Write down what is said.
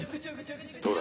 どうだ？